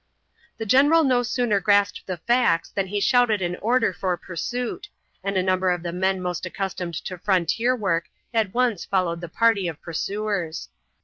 The general no sooner grasped the facts than he shouted an order for pursuit, and a number of the men most accustomed to frontier work at once followed the first party of pursuers.